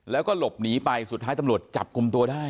แล้วก็หลบหนีไปสุดท้ายตำรวจจับกลุ่มตัวได้